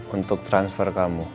untuk transfer kamu